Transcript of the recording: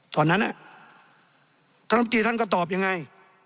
ตอนนั้นอ่ะท่านพระพุทธท่านก็ตอบยังไง